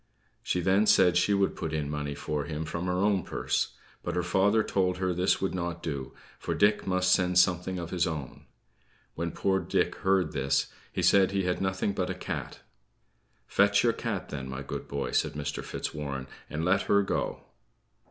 She then said she would put in money for him from her own purse; but her father told her this would not do, for Dick must send something of his own. When poor Dick heard this, he said he had nothing but a cat. "Fetch your cat then, my good boy," said Mr. Fitzwarren, "and let her go."